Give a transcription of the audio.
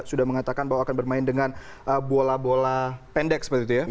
sudah mengatakan bahwa akan bermain dengan bola bola pendek seperti itu ya